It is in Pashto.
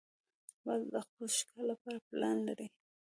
باز د خپل ښکار لپاره پلان لري